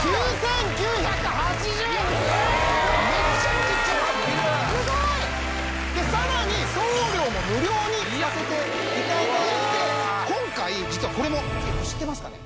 めちゃくちゃすごいでさらに送料も無料にさせていただいて今回実はこれも知ってますかね？